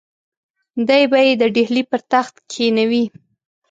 دی به یې د ډهلي پر تخت کښېنوي.